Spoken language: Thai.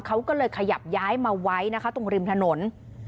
เขาก็เลยขยับย้ายมาไว้นะคะตรงริมถนน